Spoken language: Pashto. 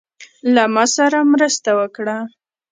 له ماسره مرسته وکړه.